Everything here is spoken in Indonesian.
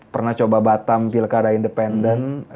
pernah coba batam pilkada independen